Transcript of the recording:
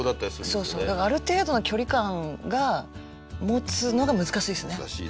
そうそうだからある程度の距離感が持つのが難しいですね。